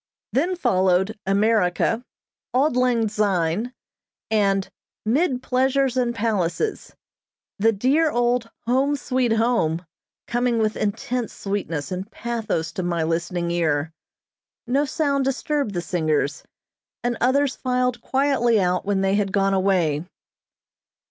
Then followed "America," "Auld Lang Syne," and "'Mid Pleasures and Palaces," the dear old "Home, Sweet Home" coming with intense sweetness and pathos to my listening ear. No sound disturbed the singers, and others filed quietly out when they had gone away.